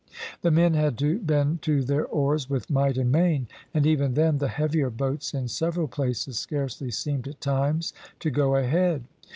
The men had to bend to their oars with might and main, and even then, the heavier boats in several places scarcely seemed, at times, to go ahead.